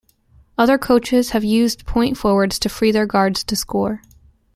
Other coaches have used point forwards to free their guards to score.